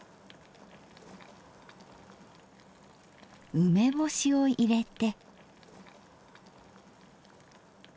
梅干しを入れて。